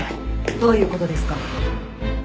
どういう事ですか！？